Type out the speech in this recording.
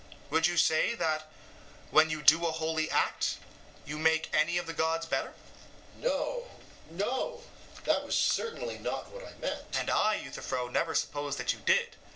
Would you say that when you do a holy act you make any of the gods better? EUTHYPHRO: No, no; that was certainly not what I meant. SOCRATES: And I, Euthyphro, never supposed that you did.